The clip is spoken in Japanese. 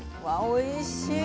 おいしい。